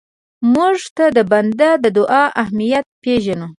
مړه ته د بنده د دعا اهمیت پېژنو